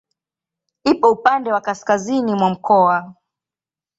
Ipo upande wa kaskazini mwa mkoa.